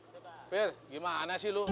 keper gimana sih lu